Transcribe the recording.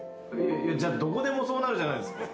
じゃあどこでもそうなるじゃないですか。